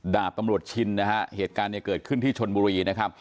ดาบตำรวจชินเหตุการณ์เกิดขึ้นที่ชนบุรี